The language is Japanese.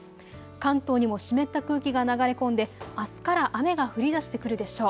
関東にも湿った空気が流れ込んであすから雨が降りだしてくるでしょう。